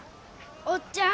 「おっちゃん。